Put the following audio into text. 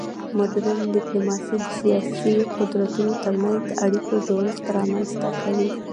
مډرن ډیپلوماسي د سیاسي قدرتونو ترمنځ د اړیکو جوړښت رامنځته کوي